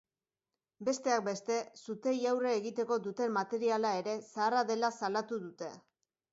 Besteak beste, suteei aurre egiteko duten materiala ere zaharra dela salatu dute.